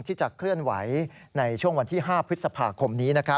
ที่จะเคลื่อนไหวในช่วงวันที่๕พฤษภาคมนี้